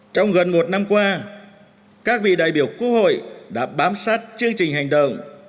trong gần một năm qua các vị đại biểu quốc hội đã bám sát chương trình hành động